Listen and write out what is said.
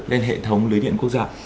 lên hệ thống lưới điện quốc gia